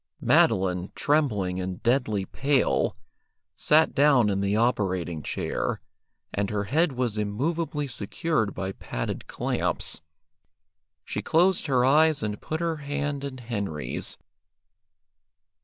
Madeline, trembling and deadly pale, sat down in the operating chair, and her head was immovably secured by padded clamps. She closed her eyes and put her hand in Henry's.